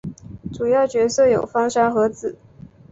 主要角色有芳山和子。